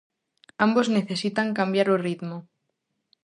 Ambos necesitan cambiar o ritmo.